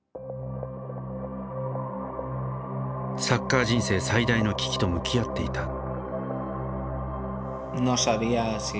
サッカー人生最大の危機と向き合っていた。